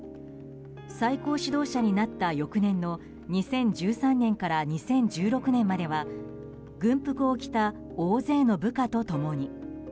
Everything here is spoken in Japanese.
最高指導者になった翌年の２０１３年から２０１６年までは軍服を着た大勢の部下と共に。